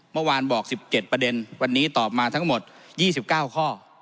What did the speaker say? เมื่อวานบอก๑๗ประเด็นวันนี้ตอบมาทั้งหมด๒๙ข้อ